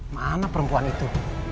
mana perempuan itu